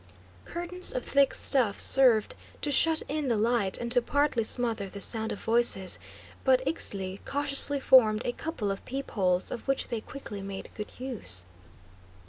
Curtains of thick stuff served to shut in the light and to partly smother the sound of voices, but Ixtli cautiously formed a couple of peepholes of which they quickly made good use.